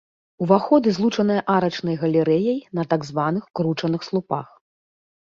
Уваходы злучаныя арачнай галерэяй на так званых кручаных слупах.